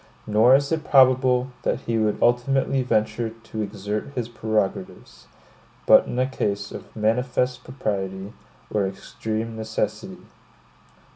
Nor is it probable, that he would ultimately venture to exert his prerogatives, but in a case of manifest propriety, or extreme necessity.